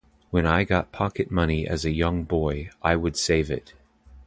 When I got pocket money as a young boy, I would save it.